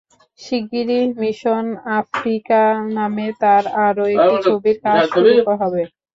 শিগগিরই Mission Africa নামে তাঁর আরও একটি ছবির কাজ শুরু হবে।